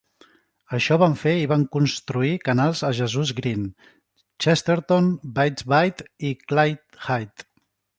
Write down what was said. Això van fer i van construir canals a Jesus Green, Chesterton, Baits Bite i Clayhithe.